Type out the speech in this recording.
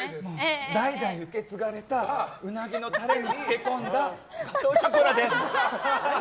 代々受け継がれたウナギのタレに漬け込んだガトーショコラです。